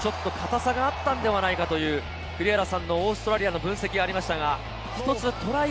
ちょっと硬さがあったんではないかという栗原さんのオーストラリアの分析がありました。